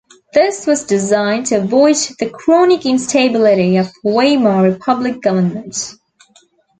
This was designed to avoid the chronic instability of Weimar Republic governments.